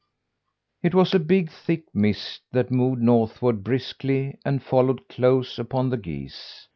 It was a big, thick mist that moved northward briskly, and followed close upon the geese.